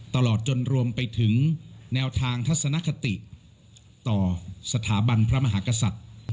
ตลอดจนรวมไปถึงแนวทางทัศนคติต่อสถาบันพระมหากษัตริย์